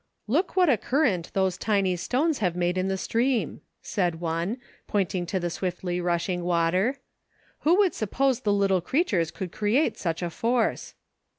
"Look what a current those tiny stones have made in the stream," said one, pointing to the swiftly rushing water. " Who would suppose the little creatures could create such a force